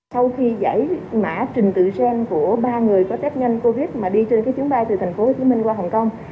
sau khi giải mã trình tự gen của ba người có test nhanh covid mà đi trên chuyến bay từ tp hcm qua hong kong